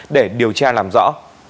để điều tra làm rõ